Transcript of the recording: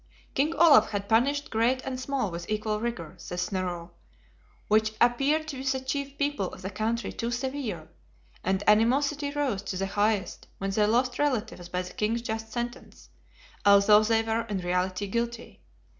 "King Olaf had punished great and small with equal rigor," says Snorro; "which appeared to the chief people of the country too severe; and animosity rose to the highest when they lost relatives by the King's just sentence, although they were in reality guilty.